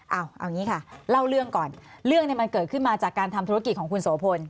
เอาอย่างนี้ค่ะเล่าเรื่องก่อนเรื่องนี้มันเกิดขึ้นมาจากการทำธุรกิจของคุณโสพล